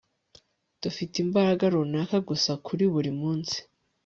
dufite imbaraga runaka gusa kuri buri munsi